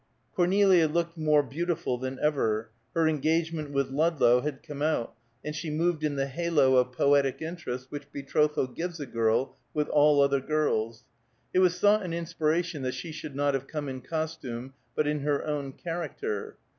Cornelia looked more beautiful than ever; her engagement with Ludlow had come out and she moved in the halo of poetic interest which betrothal gives a girl with all other girls; it was thought an inspiration that she should not have come in costume, but in her own character.